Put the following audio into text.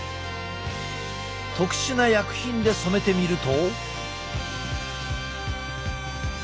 特殊な薬品で染めてみると。